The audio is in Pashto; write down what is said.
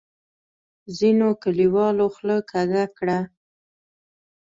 ځینو کلیوالو خوله کږه کړه.